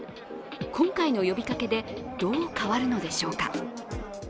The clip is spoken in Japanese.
今回の呼びかけでどう変わるのでしょうか。